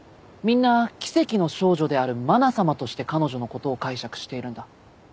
みんな奇跡の少女であるまな様として彼女のことを解釈しているんだ。